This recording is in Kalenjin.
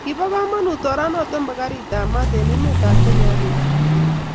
Kibo komonut oranato bo katitap mat eng emet ab Kenya ak Uganda